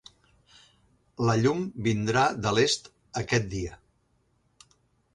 La llum vindrà de l"est aquest dia.